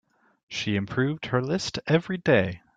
She improved her list every day.